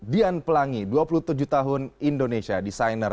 dian pelangi dua puluh tujuh tahun indonesia designer